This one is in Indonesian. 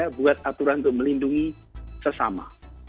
membuat aturan untuk melindungi sesama